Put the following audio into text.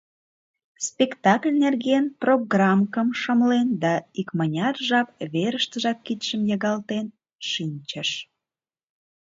Спектакль нерген программкым шымлен да икмыняр жап верыштыжак кидшым йыгалтен шинчыш.